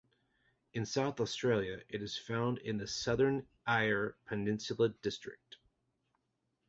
In South Australia it is found in the southern Eyre Peninsula district.